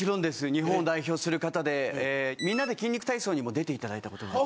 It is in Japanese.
日本を代表する方で『みんなで筋肉体操』にも出ていただいたことがある。